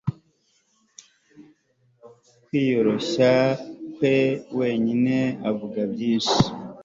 Kwiyoroshya kwe wenyine avuga byinshi